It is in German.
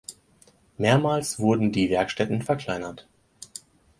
Mehrmals wurden die Werkstätten verkleinert.